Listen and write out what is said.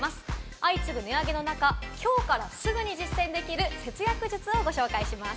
相次ぐ値上げの中、今日からすぐに実践できる節約術をご紹介します。